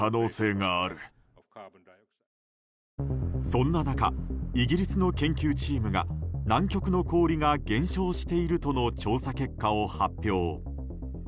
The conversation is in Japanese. そんな中イギリスの研究チームが南極の氷が減少しているとの調査結果を発表。